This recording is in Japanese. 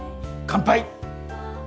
乾杯！